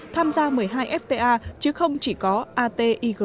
tham gia một mươi hai fta chứ không chỉ có atiga